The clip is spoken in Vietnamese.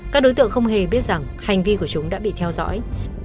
các đối tượng không hề biết rằng hành vi của chúng đã bị theo dõi